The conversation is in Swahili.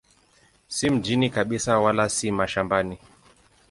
Si mjini kabisa wala si mashambani.